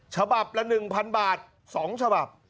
ฉบับละ๑๐๐๐บาท๒ฉบับ